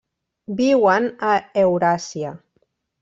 Viuen a Euràsia.